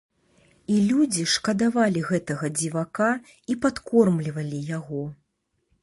І людзі шкадавалі гэтага дзівака і падкормлівалі яго.